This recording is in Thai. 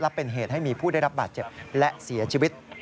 และเป็นเหตุให้มีผู้ได้รับบาดเจ็บและเสียชีวิต